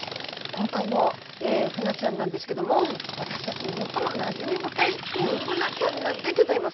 今回のフナちゃんなんですけども私たちに最もなじみ深いギンブナちゃん。